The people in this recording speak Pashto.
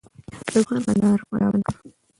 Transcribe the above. ایوب خان کندهار قلابند کړ.